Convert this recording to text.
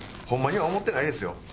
ホンマには思ってないですよ。